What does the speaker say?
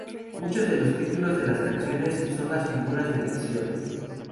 Muchos de los títulos de las canciones son las figuras de dicción.